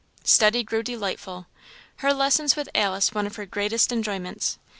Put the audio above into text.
Study grew delightful her lessons with Alice one of her greatest enjoyments.